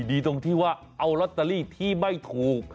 ดีตรงที่ว่าเอาลอตเตอรี่ที่ไม่ถูก